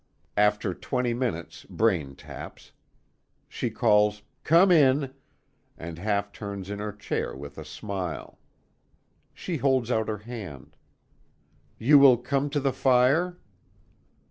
After twenty minutes, Braine taps. She calls "Come in," and half turns in her chair with a smile. She holds out her hand: "You will come to the fire?"